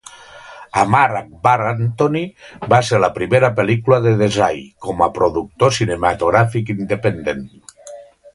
"Amar Akbar Anthony" va ser la primera pel·lícula de Desai com a productor cinematogràfic independent.